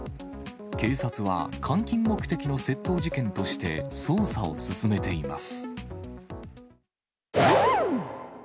警察は換金目的の窃盗事件として捜査を進めています。